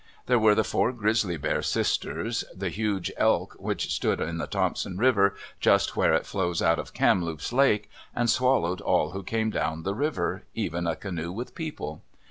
There were the four Grizzly Bear sisters, and the huge elk which stood in the Thompson River just where it flows out of Kamloops Lake and swallowed all who came down the river, even a canoe with people.